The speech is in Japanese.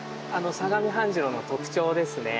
相模半白の特徴ですね。